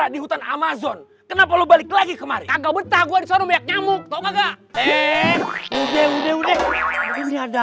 bingung gue eh mau environmental